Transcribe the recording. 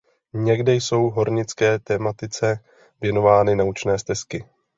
Někde jsou hornické tematice věnovány naučné stezky.